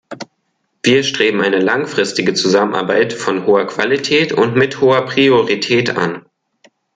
Wir streben eine langfristige Zusammenarbeit von hoher Qualität und mit hoher Priorität an.